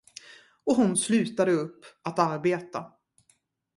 Och hon slutade upp att arbeta.